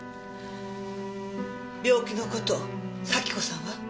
病気の事咲子さんは？